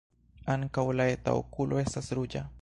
Ankaŭ la eta okulo estas ruĝa.